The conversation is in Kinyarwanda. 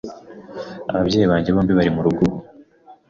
Ababyeyi banjye bombi bari murugo ubu.